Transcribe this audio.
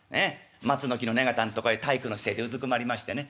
松の木の根方んとこへ体育の姿勢でうずくまりましてね